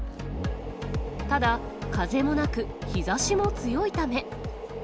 ただ、風もなく、日ざしも強いため。